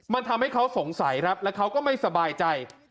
มันทำให้เขาสงสัยครับแล้วเขาก็ไม่สบายใจ